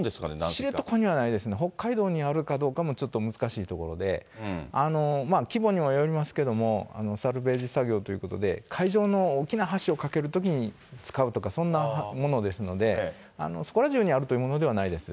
知床にはないです、北海道にあるかどうかはちょっと難しいところで、規模にもよりますけども、サルベージ作業ということで、海上の大きな橋を架けるときに使うとか、そんなものですので、そこら中にあるというものではないです。